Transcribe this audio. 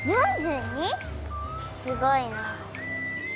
すごいなあ！